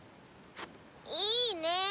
いいね。